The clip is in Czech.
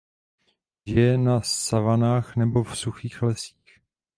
Žije na savanách nebo v suchých lesích.